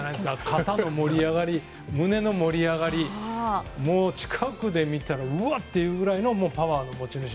肩の盛り上がり胸の盛り上がり近くで見たらうわっていうぐらいのパワーの持ち主。